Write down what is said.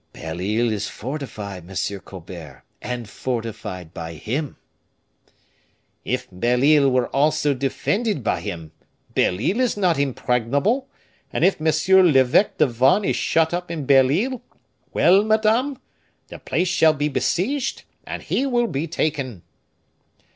"Belle Isle is fortified, M. Colbert, and fortified by him." "If Belle Isle were also defended by him, Belle Isle is not impregnable; and if Monsieur l'Eveque de Vannes is shut up in Belle Isle, well, madame, the place shall be besieged, and he will be taken."